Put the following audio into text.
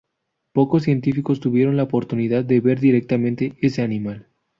Pocos científicos tuvieron la oportunidad de ver directamente ese animal.